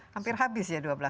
hampir habis ya dua belas bulan